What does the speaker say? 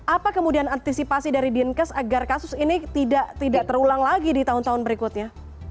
apa kemudian antisipasi dari dinkes agar kasus ini tidak terulang lagi di tahun tahun berikutnya